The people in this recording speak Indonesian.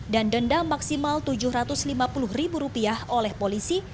dan dendam maksimal tujuh ratus lima puluh ribu rupiah oleh polisi